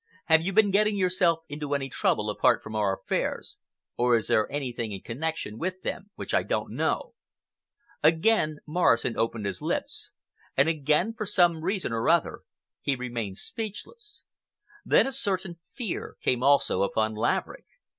Have you been getting yourself into any trouble apart from our affairs, or is there anything in connection with them which I don't know?" Again Morrison opened his lips, and again, for some reason or other, he remained speechless. Then a certain fear came also upon Laverick.